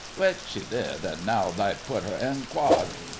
Which she did, an' now thi've put 'er in quod.